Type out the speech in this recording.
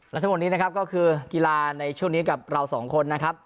และทั้งหมดนี้นะครับก็คือกีฬาในช่วงนี้กับเราสองคนนะครับ